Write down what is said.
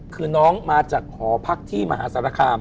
คือน้องมาจากหอพักที่มหาสารคาม